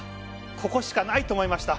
ここしかないと思いました。